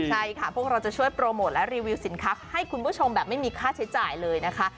ใช่ค่ะพวกเราจะช่วยโปรโมทและรีวิวสินค้าให้คุณผู้ชมแบบไม่มีค่าใช้จ่ายเลยนะคะ